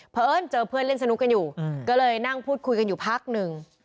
เพราะเอิญเจอเพื่อนเล่นสนุกกันอยู่ก็เลยนั่งพูดคุยกันอยู่พักหนึ่ง